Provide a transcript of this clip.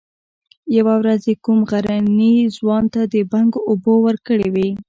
يوه ورځ يې کوم غرني ځوان ته د بنګو اوبه ورکړې وې.